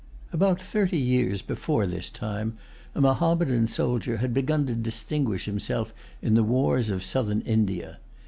About thirty years before this time, a Mahommedan soldier had begun to distinguish himself in the wars of Southern India.